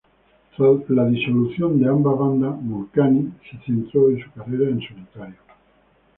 Tras la disolución de ambas bandas, Mulcahy se centró en una carrera en solitario.